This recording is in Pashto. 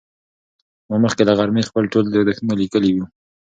ما مخکې له غرمې خپل ټول یادښتونه لیکلي وو.